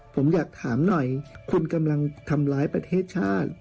ผมอยากถามหน่อยคุณกำลังทำร้ายประเทศชาติ